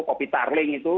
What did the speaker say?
kopi tarling itu